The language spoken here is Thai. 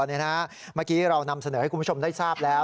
เมื่อกี้เรานำเสนอให้คุณผู้ชมได้ทราบแล้ว